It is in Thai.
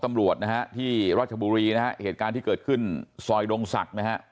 ตำรวจนะฮะที่ราชบุรีนะฮะเหตุการณ์ที่เกิดขึ้นซอยดงศักดิ์นะฮะ